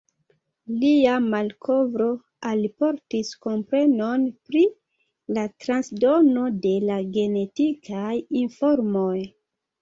Lia malkovro alportis komprenon pri la transdono de la genetikaj informoj.